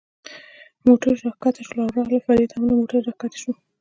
موټرو را کښته شول او راغلل، فرید هم له موټره را کښته شو.